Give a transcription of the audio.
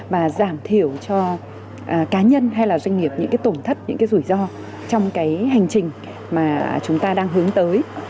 và giảm thiểu cho cá nhân hay doanh nghiệp những tổn thất những rủi ro trong hành trình mà chúng ta đang hướng tới